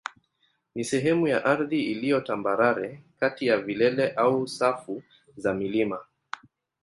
ni sehemu ya ardhi iliyo tambarare kati ya vilele au safu za milima.